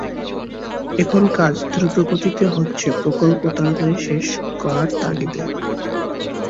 এখন কাজ দ্রুতগতিতে হচ্ছে প্রকল্প তাড়াতাড়ি শেষ করার তাগিদে।